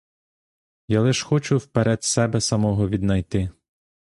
Я лиш хочу вперед себе самого віднайти.